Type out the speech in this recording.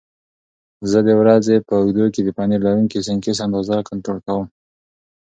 زه د ورځې په اوږدو کې د پنیر لرونکي سنکس اندازه کنټرول کوم.